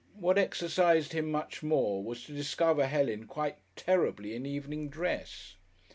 What exercised him much more was to discover Helen quite terribly in evening dress.